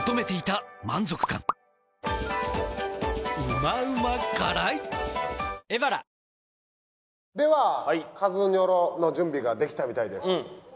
いや僕らからしたらではカズニョロの準備ができたみたいです。